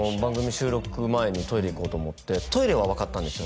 収録前にトイレ行こうと思ってトイレは分かったんですよ